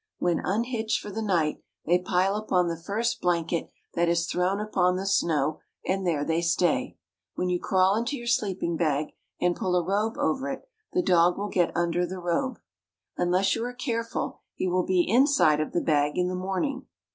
When unhitched for the night they pile upon the first blanket that is thrown upon the snow, and there they stay. When you crawl into your sleeping bag, and pull a robe over it, the dog will get under the robe. Unless you are careful he will be inside of the bag in the morning.